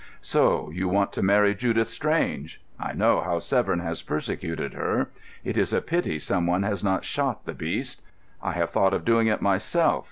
"So you want to marry Judith Strange. I know how Severn has persecuted her. It is a pity someone has not shot the beast; I have thought of doing it myself.